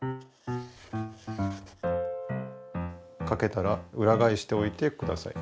書けたらうらがえしておいてください。